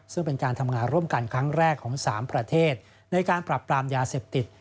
ซึ่งเป็นการทำงานร่วมกันครั้งแรกของ๓ประเทศในการปรับปรามยาเสพติด